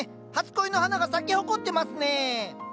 初恋の花が咲き誇ってますね！